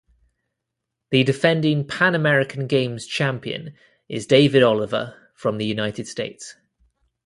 The defending Pan American Games champion is David Oliver from the United States.